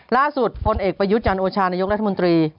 ล่าสุดพลเอกประยุทธ์จันทร์โอชานายกรัฐมนตรี